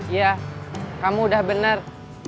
iya kamu udah benar